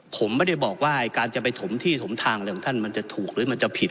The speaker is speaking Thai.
ผมไม่ได้บอกว่าการจะไปถมที่ถมทางอะไรของท่านมันจะถูกหรือมันจะผิด